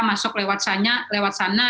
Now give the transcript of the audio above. masuk lewat sana